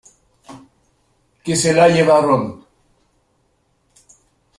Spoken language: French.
Que se la llevaron!